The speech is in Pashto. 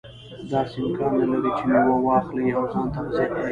داسې امکان نه لري چې میوه واخلي او ځان تغذیه کړي.